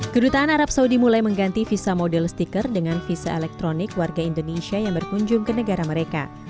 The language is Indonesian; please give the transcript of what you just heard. kedutaan arab saudi mulai mengganti visa model stiker dengan visa elektronik warga indonesia yang berkunjung ke negara mereka